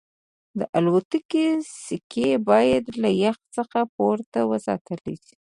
د الوتکې سکي باید له یخ څخه پورته وساتل شي